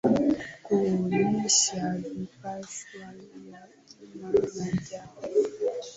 Kuonyesha vipashio vya kiima na kiarifu.